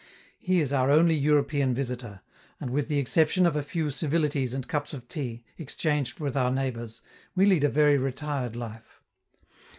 He is our only European visitor, and, with the exception of a few civilities and cups of tea, exchanged with our neighbors, we lead a very retired life.